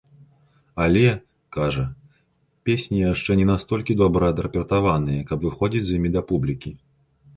Але, кажа, песні яшчэ не настолькі добра адрэпетаваныя, каб выходзіць з імі да публікі.